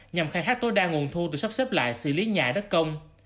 nhằm khai thác tối đa nguồn thu từ sắp xếp lại xử lý nhà đất công